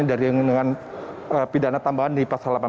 dari dengan pidana tambahan di pasal delapan belas